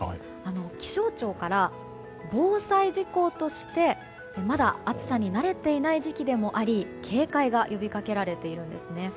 気象庁から防災事項としてまだ暑さに慣れていない時期でもあり警戒が呼びかけられているんですね。